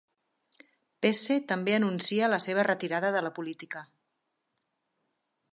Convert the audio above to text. Pesce també anuncia la seva retirada de la política.